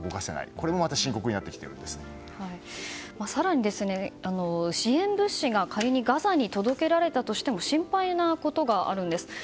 これもまた更に、支援物資が仮にガザに届けられても心配なことがあるんです。